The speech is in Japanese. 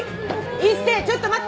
一星ちょっと待って！